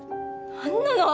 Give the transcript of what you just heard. なんなの？